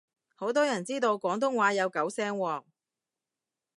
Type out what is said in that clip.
好多人知道廣東話有九聲喎